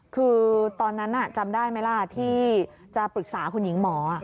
คือตอนนั้นจำได้ไหมล่ะที่จะปรึกษาคุณหญิงหมอ